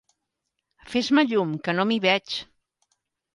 Fes-me llum, que no m'hi veig!